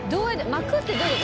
巻くってどういう事？